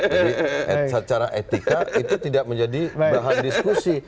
jadi secara etika itu tidak menjadi bahan diskusi